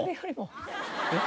えっ？